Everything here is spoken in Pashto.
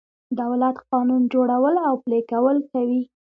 دولت قانون جوړول او پلي کول کوي.